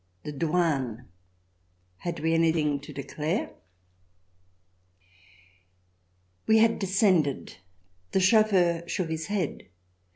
The douane ! Had we anything to declare ? We had descended. The chauffeur shook his head.